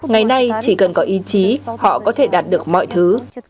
ngày nay chỉ cần có ý chí họ có thể đạt được mọi thứ